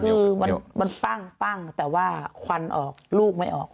คือมันปั้งแต่ว่าควันออกลูกไม่ออก